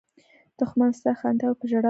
دښمن ستا خنداوې په ژړا بدلوي